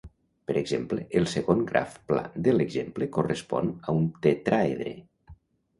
Per exemple, el segon graf pla de l'exemple correspon a un tetràedre.